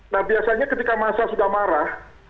nah biasanya ketika masa sudah marah